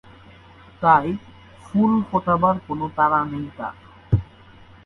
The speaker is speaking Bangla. তাই ফুল ফোটাবার কোনো তাড়া নেই তার।